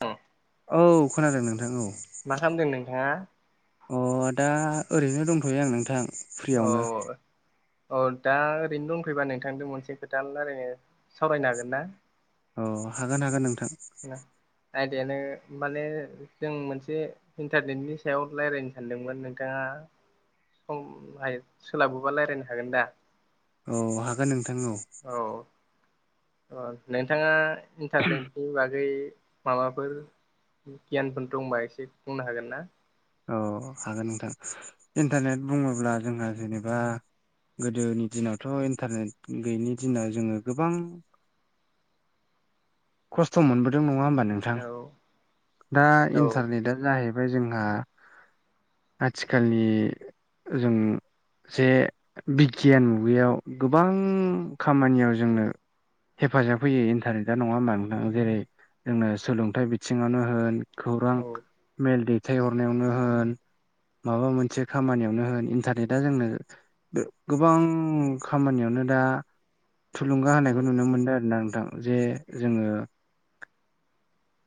औ औ खोनादों नोंथां औ मा खालामदों नोंथाङा। अ दा ओरैनो दंथ'यो आं नोंथां औ फ्रियावनो अ दा ओरैनो दंथ'योबा नोंथांदो मोनसे खोथा लायरायनो सावरायनो हागोन ना अ हागोन हागोन नोंथां। आ दयनो माने जों मोनसे इन्टारनेटनि सायाव रायज्लायनो सानदोंमोन नोंथांङा समहाय [unintelligible] सोलाबोबा रायज्लायनो हागोन दा औ हागोन नोंथां औ औ अ नोंथाङा इन्टारनेटनि बागै माबाफोर गियानफोर दंबा एसे बुंनो हागोन ना औ हागोन नोंथां इन्टारनेट बुङोब्ला जोंहा जेनेबा गोदोनि दिनावथ' इन्टारनेट गैयिनि दिनाव जोङो गोबां [unintelligible] खस्थ' मोनबोदों नङा होमबा नोंथां औ दा औ इन्टारनेटआ जाहैबाय जोंहा। आथिखालनि जों जे बिगियान मुगायाव गोबां खामानियाव जोंनो। हेफाजाब होयो इन्टारनेटा नङा होनबा नोंथां जेरै जोंनो सोलोंथाइ बिथिङावनो होन खौरां औ मेल दैथायहरनायावनो होन माबा मोनसे खामानियावनो होन इन्टारनेटआ जोंनो। गोबां खामानियावनो दा थुलुंगा होनायखौ उम नुनो मोनदों आरोना नोंथां जे जोङो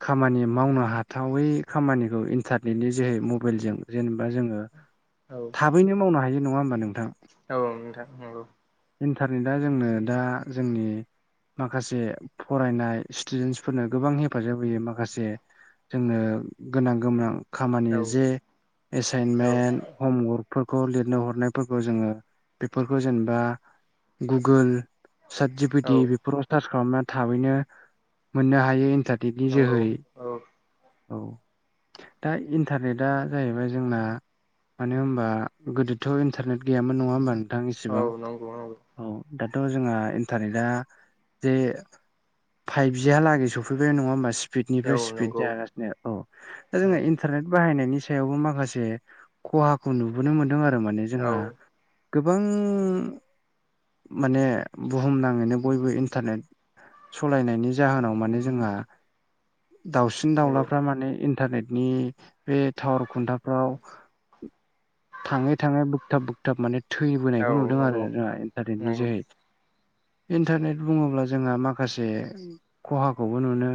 खामानि मावनो हाथावै खामानिखौ इन्टार बेनि जेहै मबाइलजों जेनेबा जोङो औ थाबैनो मावनो हायो नङा होमबा नोंथां। औ नोंथां नंगौ इन्टारनेटआ जोंनो दा जोंनि माखासे फरायनाय स्टुदेनफोरनो गोबां हेफाजाब होयो माखासे जोंनो गोनां गोनां खामानि औ जे औ एसाइनमेन्ट हमवर्कफोरखौ लिरनो हरनायफोरखौ जोंङो बेफोरखौ जेनेबा गुगोल चाट जि पि औ टि बेफोराव टार्च खालामना थाबैनो मोननो हायो इन्टारने नंगौ औ औ दा इन्टारनेटआ जाहैबाय जोंना। मानो होमबा गोदोथ' इन्टारनेट गैयामोन नङा होमबा नोंथां औ इसिबां नंगौ नंगौ औ दाथ' जोंहा इन्टारनेटआ जे फाइभजिहा लागै सफैबाय नङा होमबा औ स्पिडनिफ्राय स्पिड नंगौ जागासिनो औ दा जों इन्टारनेट बाहायनायनि सायावबो माखासे खहाखौ नुबोनो मोनदों आरो माने औ जोंहा। गोबां माने बुहुमनांङैनो बयबो इन्टारनेट सालायनायनि जाहोनाव माने जोंहा। दाउसिन नंगौ दाउलाफ्रा माने इन्टारनेटनि बे टावार खुन्थाफ्राव थांङै थांङै बोगथाब बोगथाब माने थैबोनायखौ औ नुदों आरो नंगौ जोंहा इन्टारनेटनि नंगौ जोहै इन्टारनेट बुङोब्ला जोंहा माखासे खहाखौबो नुनो।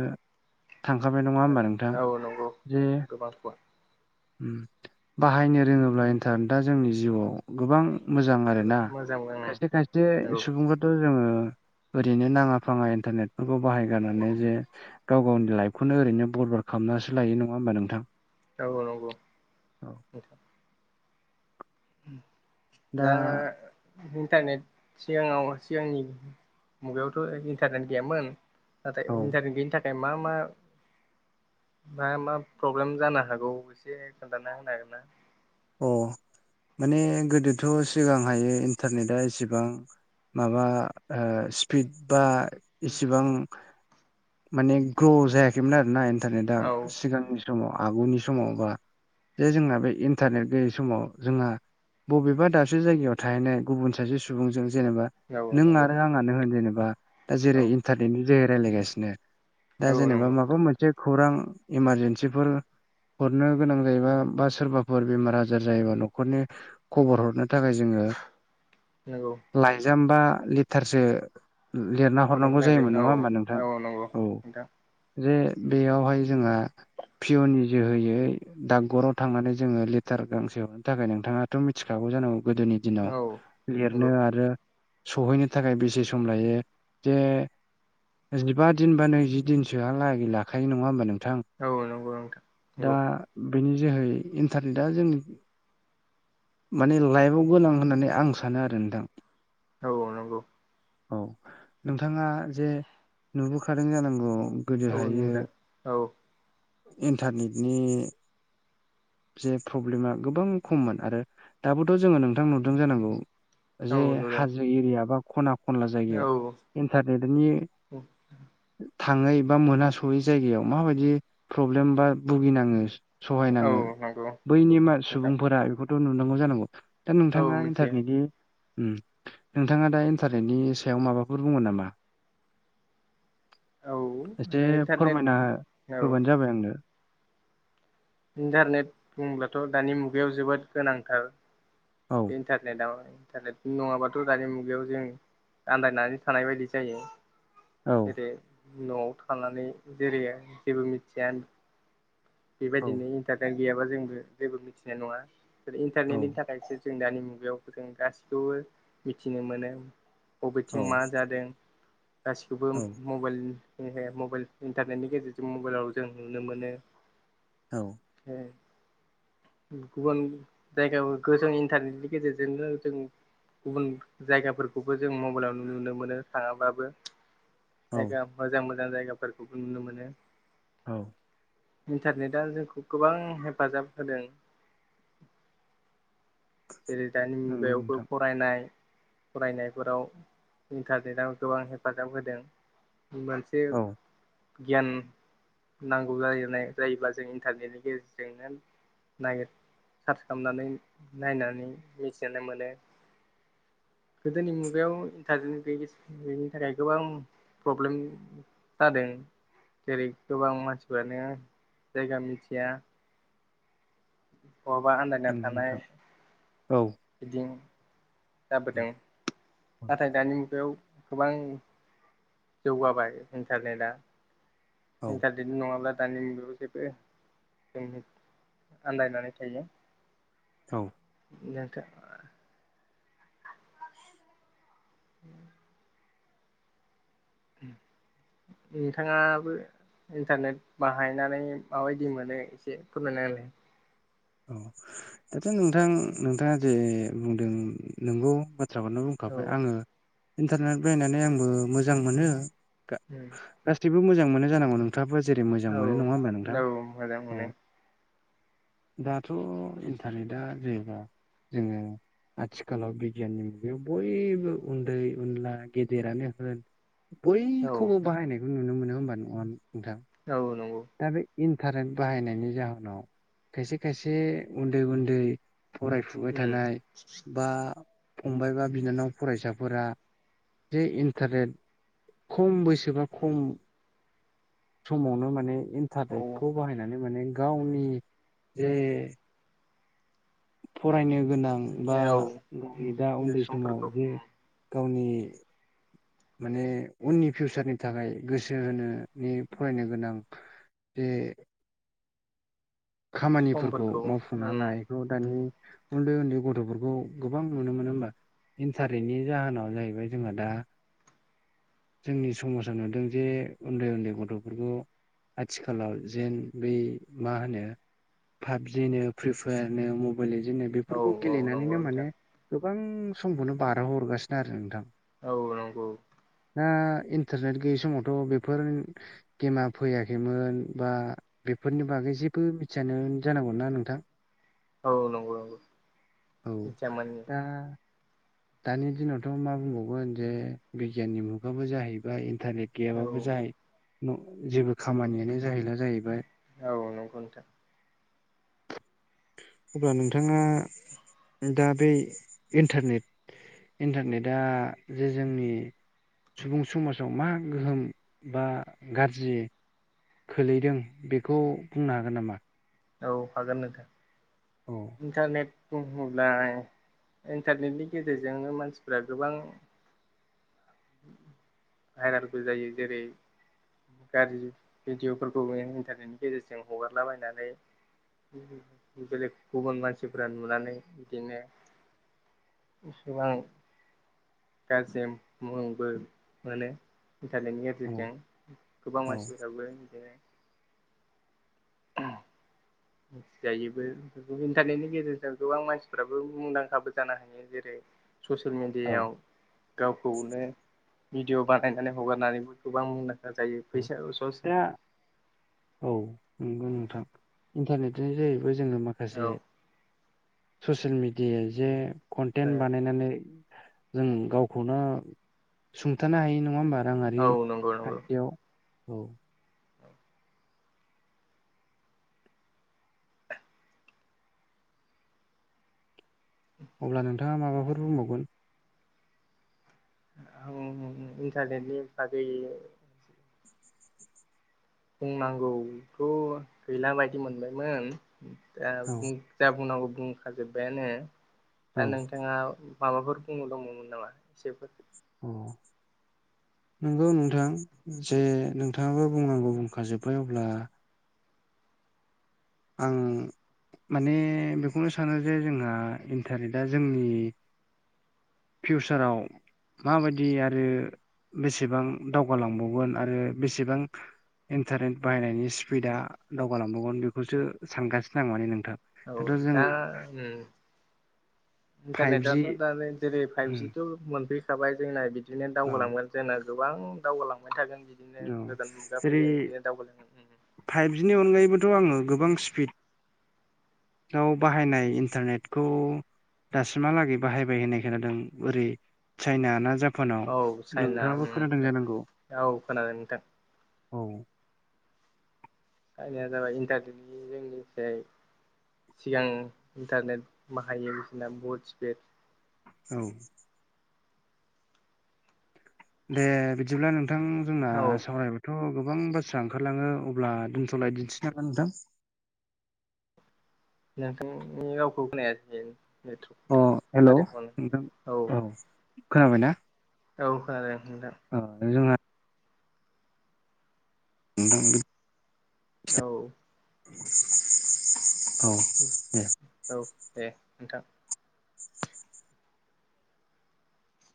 थांखानाय नङा होमबा नोंथां औ नंगौ जे गोबां बाहायनो रोङोब्ला। ओ दा जोंनि जिउआव गोबां मोजां आरोना मोजां खायसे खायसे नंगौ सुबुंफोर थ' जोङो ओरैनो नाङा फाङा इन्टारनेटफोरखौ बाहायगारनानै जे गाव गावनि लाइफखौनो ओरैनो बरबाद खालामनासो लायो नंङा होमबा नोंथां औ औ नंगौ नोंथां दा इन्टारनेट सिगाङाव सिगांनि मुगायावथ' इन्टारनेट गैयामोन। नाथाय औ इन्टारनेट गैयिनि थाखाय मा मा बा मा प्रब्लेम जानो हागौ एसे खोन्थाना होनो हागोन ना अ माने गोदोथ' सिगांहायो इन्टारनेटआ एसेबां माबा ओ स्पिड बा इसिबां माने ग्र' जायाखैमोन आरो ना हागोन इन्टारनेटा ना औ सिगां- समाव आगुनि समाव बा जे जोंना बे इन टारनेट गैयै समाव जोंहा बबेबा दाबसे जायगायाव थाहैनाय गुबुन सासे सुबुंजों जेनेबा औ नों नंगौ आरो आं आनो होन जेनेबा दा जेरै औ इन्टारनेटनि जोहै रायलाय गासिनो। दा औ जेनेबा नंगौ माबा मोनसे खौरां इमारजेन्सिफोर हरनो गोनां जायोबा बा सोरबा फोर बेमार आजार जायोबा न'खरनि खबर हरनो थाखाय जोङो। नंगौ लाइजाम बा लेटारसो लिरना हरनो हरनांगौ गोनां जायोमोन नङा होमबा नोंथां? औ। नंगौ नोंथां जे बेयावहाय जोंहा पिअननि जोहैयै डाकघराव थांनानै जोङो लेटार गांसे हरनो थाखाय नोंथाङाथ' मिथिखागौ जानांगौ गोदोनि दिनाव औ नंगौ लिरनो आरो सहैनो थाखाय बेसे सम लायो जे जिबा दिन बा नैजि दिनसोहालागै लाखायो नंङा होमबा नोंथां? औ नंगौ नोंथां दा नंगौ बेनि जोहै इन्टारनेटआ जों माने लाइफआव गोनां होननानै आं सानो आरो नोंथां। औ नंगौ। औ। नोंथाङा जे नुबोखादों जानांगौ। औ गोदोहायो नुदों औ इन्टारनेटनि जे प्रब्लेमा गोबां खममोन आरो दाबोथ' जोङो नोंथां नुदों जानांगौ। जे औ नुदों हाजो एरिया बा ख'ना खनला औ जायगायाव इन्टारनेटनि थाङै बा मोनहास'यै जायगायाव माबायदि प्रब्लेम बा भुगिनाङो। औ सहायनाङो नंगौ। नंगौ बैनि मा नोंथां सुबुंफोरा बेखौथ' नुुनांगौ जानांगौ दा औ नोंथाङा मिथियो इन्टारनेटनि ओम। नोंथाङा दा इन्टारनेटनि सायाव माबाफोर बुङो नामा? औ इन्टारनेट औ। होलाय आंनो। इन्टारनेट बुंब्लाथ' दानि मुगायाव जोबोद गोनांथार। औ इन्टारनेटाव इन्टारनेट नङाबाथ' दानि मुगायाव जों आन्दायनानै थानाय बायदि जायो। औ गोदो न'आव थानानै जेरै जेबो मिथिया औ बेबायदिनो इन्टारनेट गैयाबा जोंबो जेबो मिथिनाय नङा औ इन्टारनेटनि थाखायसो। जों दानि मुगायावबो जों गासिखौबो मिथिनो मोनो औ बबेथिं मा जादों गासिखौबो औ मबाइलनि मबाइल इन्टारनेटनि गेजेरजों मबाइलाव जों नुनो मोनो औ [inaudible] गुबुन जायगायाव गो जों इन्टारनेटनि गेजेरजोंनो जों गुबुन जायगाफोरखौबो जों मबाइलाव नुनो मोनो थाङाबाबो। औ जायगा मोजां मोजां जायगाफोरखौबो नुनो मोनो। औ इन्टारनेटआ जोंखौ गोबां हेफाजाब होदों। जेरै दानि नंगौ मुगायावबो नोंथां फरायनाय। फरायनायफोराव इन्टारनेटआव गोबां हेफाजाब होदों मोन से औ गियान नांगौ जानाय जायोब्ला जों इन्टारनेटनि गेजेरजोंनो। नागिर सार्च खालामनानै नायनानै मिथिनो मोनो। गोदोनि मुगायाव इन्टारनेटनि गैयै-गैयिनि थाखाय गोबां प्रब्लेम जादों जेरै गोबां मानसिफ्रानो जायगा मिथिया। बहाबा आनदाय नंगौ नोंथां औ। बिदिन जाबोदों औ नाथाय दानि मुगायाव गोबां जौगाबाय इन्टारनेटआ औ इन्टारनेट नङाब्ला दानि जुगाव जेबो जोंनि आन्दायनानै थायो। औ नोंथां [inaudible] नोंथाङाबो इन्टारनेट बाहायनानै माबायदि मोनो एसे फोरमायना होलाय। औ दाथ' नोंथां नोंथाङा जे बुंदों नोंगौ बाथ्राखौनो बुं खाबाय आङो इन्टारनेट बाहायनानै आंबो मोजां मोनो। गा-गासैबो मोजां मोनो जानांगौ नोंथाङाबो जेरै मोजां औ मोनो नङा होमबा नोंथां? औ मोजां औ मोनो दाथ' इन्टारनेटआ जेनेबा जोङो आथिखालाव बिगियाननि मुगायाव बयबो उन्दै उनला गेदेरानो होन औ बयखौबो बाहायनायखौ नुनो मोनो होमबा नङ नोंथां। औ नंगौ। आरो इन्टारेट बाहायनायनि जाहोनाव खायसे खायसे उन्दै उन्दै फरायफुबाय थानाय बा फंबाय बा बिनानाव फरायसाफोरा जे इन्टारेट खम बैसोबा खम समावनो माने औ थारगेदखौ बाहायनानै माने गावनि जे फरायनो गोनां बा औ [unintelligible] दा उन्दै समाव समफोरखौ जे गावनि माने उननि फिउसारनि थाखाय गोसो होनोने फरायनो गोनां बे खामानिफोरखौ समफोरखौ मावफुंना औ लायैखौ दानि उन्दै उन्दै गथ'फोरखौ गोबां नुनो मोनो होमबा। इन्टारनेटनि जाहोनाव जाहैबाय जोंहा दा। जोंनि समाजा नुदों जे उन्दै उन्दै गथ'फोरखौ आथिखालाव जेन बै मा होनो पाबजिनो फ्रि फायारनो मबाइल‌ लेजेननो बिदिनो औ बेफोरखौ नंगौ गेलेनानैनो माने नोंथां गोबां समखौनो बारहो हरगासिनो आरो नोंथां। औ नंगौ। दा इन्टारनेट गैयि समावथ' बेफोर गेमा फैयाखैमोन बा बेफोरनि बागै जेबो मिथियानो जानांगौ ना नोंथां। औ नंगौ नंगौ औ मिनथियामोन उम दा दानि दिनावथ' मा बुंबावगोन जे बिगियाननि मुगाबो जाहैबाय इन्टारनेट औ गैयाबाबो जाय न' जेबो खामानियानो जाहैला जाहैबाय औ नंगौ नोंथां अब्ला नोंथाङा दा बै इन्टारनेट इन्टारनेटा जे जोंनि सुबुं समाजाव मा गोहोम बा गाज्रि खोलैदों बेखौ बुंनो हागोन नामा? औ हागोन नोंथां। औ इन्टारनेट बुङोब्ला इन्टारनेटनि गेजेरजोंनो मानसिफ्रा गोबां भायरेलबो जायो। जेरै गाज्रि भिडिअ'फोरखौबो इन्टारनेटनि गेजेरजों हगारला बायनानै बेलेग गुबुन मानसिफोरा नुनानै इदिनो एसेबां गाजेम मुंबो मोनो। इन्टारनेटनि औ एदेदजों गोबां मानसिफोराबो बिदिनो [unintelligible] जायोबो इन्टारनेटनि गेजेरजों गोबां मानसिफोराबो मुंदांखाबो जानो हायो जेरै ससियेल औ मेडियायाव, गावखौनो भिडिअ' बानायनानै हगारनानैबो गोबां मुंदांखा जायो औ फैसा स'स दा औ नंगौ नोंथां इन्टारनेटनि जाहैबो जोङो माखासे, औ ससियेल मिडिया जे ओ कन्टेन्ट बानायनानै, जों गावखौनो सुंथानो हायो नङा होमबा राङारि औ नंगौ खान्थियाव, औ औ अब्ला नोंथाङा माबाफोर बुंबावगोन? आं ओइ राजेननि बागै, बुंनांगौथ' गैला बायदि मोनबायमोन दा औ जा बुंनांगौ बुंखाजोब्बायानो औ दा नोंथाङा, माबाफोर बुंनो दंमोन नामा एसेफोर? [unintelligible] नंगौ नोंथां जे नोंथाङाबो बुंनांगौ बुंखा जोब्बाय अब्ला, आं माने बेखौनो सानो जे जोंहा इन्टारनेटआ जोंनि फिउचाराव, माबायदि आरो बेसेबां दावगालांबावगोन आरो बेसेबां इन्टारनेट बाहायनायनि स्पिडा दावगालांबावगोन बेखौसो सानगासिनो नङा माने नोंथां, औ दाथ' दा जोङो उम फाइभजि इन्टारनेटआथ' दा जेरै फाइभजिथ' मोनफैखाबाय जोंना बिदिनो औ दावगालांगोन जोंना गोबां दावगालांबाय थागोन बि बिदिनो गोदान मुगा फैगोन जेरै बिदिनो दावगोलांगगोन फाइभजिनि अनगायैबोथ' आङो गोबां स्पिड, बाहायनाय इन्टारनेटखौ, दासिमहालागै बाहायबाय होननाय खोनादों ओरै चाइना ना‌ जाप औ चाइना उम औ खोनादों नोंथां, औ आंनिया जाबाय इन्टारनेटनि जोंनिखै, सिगां इन्टारनेट बाहायायो बिसिना बहुद स्पिड, औ दे बिदिब्ला नोंथां जोंना औ सावरायबाय थ' गोबां बाथ्रा ओंखारलाङो अब्ला दोनथ'लायदिनिसै नामा नोंथां, नोंथांनि रावखौ खोनायासै अ नेट्रक हेल' जादों नोंथां खोमा औ खोनाबायना? औ खोनादों नोंथां, औ जोंहा [unintelligible] औ औ दे औ दे नोंथां